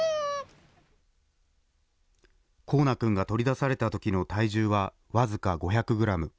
航梛君が取り出されたときの体重は僅か５００グラム。